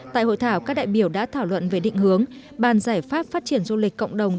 tại hội thảo các đại biểu đã thảo luận về định hướng bàn giải pháp phát triển du lịch cộng đồng